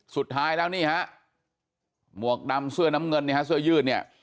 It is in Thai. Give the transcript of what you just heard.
สุดท้ายแล้วนี่นะครับมวกดำเสื้อน้ำเงินเสื้อยืด